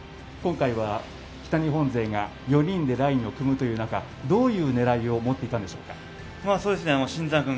今回は北日本勢が４人でラインを組むという中、どういうねらいを持っていったんでしょうか？